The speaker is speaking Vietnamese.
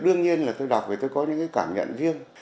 đương nhiên là tôi đọc thì tôi có những cái cảm nhận riêng